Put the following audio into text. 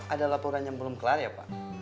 ada laporan yang belum kelar ya pak